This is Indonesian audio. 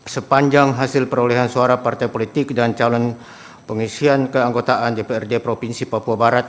sepanjang hasil perolehan suara partai politik dan calon pengisian keanggotaan dprd provinsi papua barat